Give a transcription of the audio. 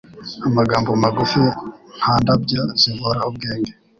amagambo magufi nta ndabyo zivura ubwenge